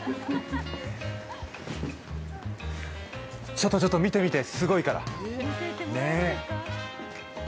ちょっとちょっと見て見て、すごいから。